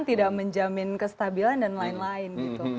tidak menjamin kestabilan dan lain lain gitu